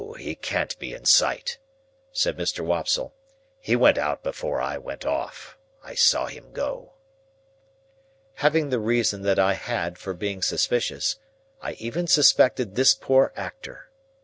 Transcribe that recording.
He can't be in sight," said Mr. Wopsle. "He went out before I went off. I saw him go." Having the reason that I had for being suspicious, I even suspected this poor actor.